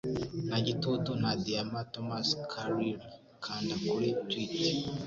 Nta gitutu, nta diyama. Thomas Carlyle Kanda kuri tweet